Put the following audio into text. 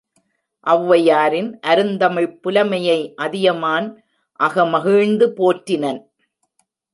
ஒளவையாரின் அருந்தமிழ்ப் புலமையை Athiyaman அகமகிழ்ந்து போற்றினன்.